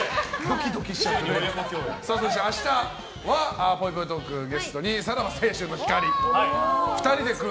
そして明日のぽいぽいトークはゲストにさらば青春の光。